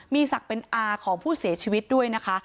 มีศักดิ์เป็นอาของผู้เสียชีวิตด้วยนะคะ